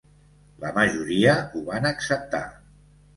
La majoria ho van acceptar.